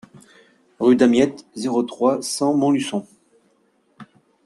Rue Damiette, zéro trois, cent Montluçon